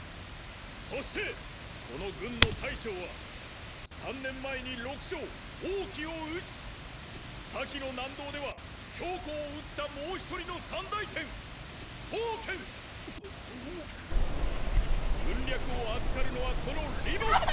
そしてこの軍の大将は三年前に六将王騎を討ち先の南道では公を討ったもう一人の三軍略を預かるのはこの李牧！